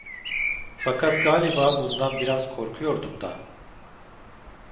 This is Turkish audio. Fakat galiba bundan biraz korkuyordum da…